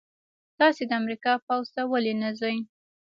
تاسې د امریکا پوځ ته ولې نه ځئ؟